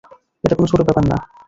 এটা কোনো ছোট ব্যাপার না।